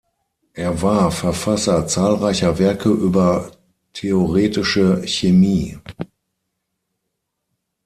Er war Verfasser zahlreicher Werke über Theoretische Chemie.